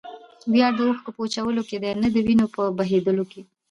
ویاړ د اوښکو په وچولو کښي دئ؛ نه دوینو په بهېودلو کښي.